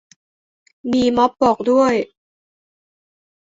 มีม็อบบอกด้วย